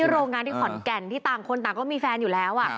โรงงานที่ขอนแก่นที่ต่างคนต่างก็มีแฟนอยู่แล้ว